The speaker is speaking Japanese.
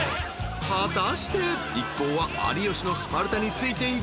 ［果たして一行は有吉のスパルタについていけるのか？］